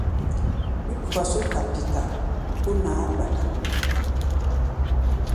Mí duka só kapíta kó naá-gba-ta.